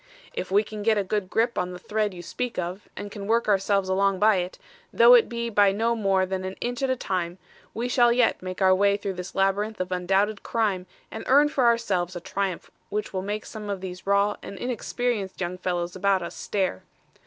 "If we can get a good grip on the thread you speak of, and can work ourselves along by it, though it be by no more than an inch at a time, we shall yet make our way through this labyrinth of undoubted crime and earn for ourselves a triumph which will make some of these raw and inexperienced young fellows about us stare.